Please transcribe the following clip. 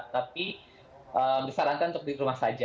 tapi disarankan untuk di rumah saja